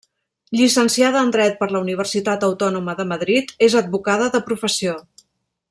Llicenciada en Dret per la Universitat Autònoma de Madrid, és advocada de professió.